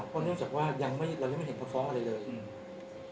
เพราะเนื่องจากว่ายังไม่เรายังไม่เห็นฟ้าอะไรเลยใช่ครับ